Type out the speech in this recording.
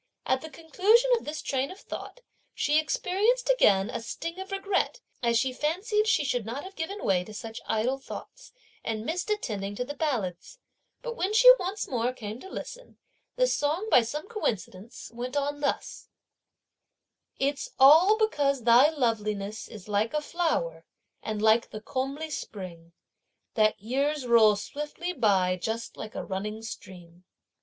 At the conclusion of this train of thought, she experienced again a sting of regret, (as she fancied) she should not have given way to such idle thoughts and missed attending to the ballads; but when she once more came to listen, the song, by some coincidence, went on thus: It's all because thy loveliness is like a flower and like the comely spring, That years roll swiftly by just like a running stream.